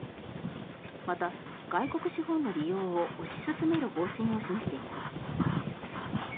また、外国資本の利用を推し進める方針を示しています。